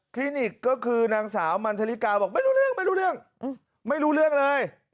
นิกก็คือนางสาวมันธริกาบอกไม่รู้เรื่องไม่รู้เรื่องไม่รู้เรื่องเลย